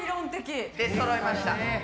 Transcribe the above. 出そろいました。